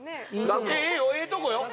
学芸ええよええとこよ